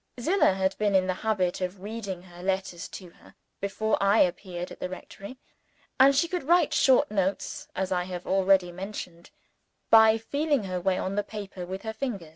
Zillah had been in the habit of reading her letters to her, before I appeared at the rectory; and she could write short notes (as I have already mentioned) by feeling her way on the paper with her finger.